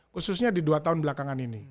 khususnya di dua tahun belakangan ini